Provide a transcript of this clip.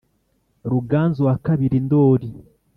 ruganzu wakabiri ndoli